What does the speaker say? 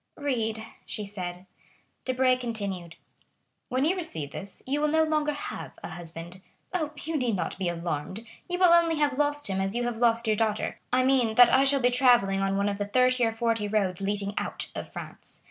"Read," she said. Debray continued: "'When you receive this, you will no longer have a husband. Oh, you need not be alarmed, you will only have lost him as you have lost your daughter; I mean that I shall be travelling on one of the thirty or forty roads leading out of France.